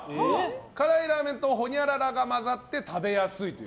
辛いラーメンとほにゃららが混ざって食べやすいという。